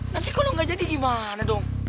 nanti kalo gak jadi gimana dong